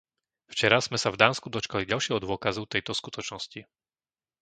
Včera sme sa v Dánsku dočkali ďalšieho dôkazu tejto skutočnosti.